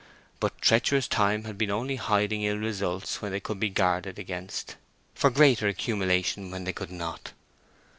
But treacherous Time had been only hiding ill results when they could be guarded against, for greater accumulation when they could not.